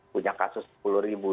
punya kasus sepuluh ribu